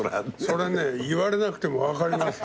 それは言われなくても分かります。